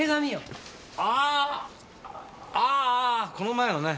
ああこの前のね。